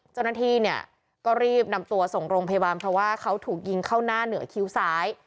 เจ้าหน้าที่เนี่ยก็รีบนำตัวส่งโรงพยาบาลเพราะว่าเขาถูกยิงเข้าหน้าเหนือคิ้วซ้าย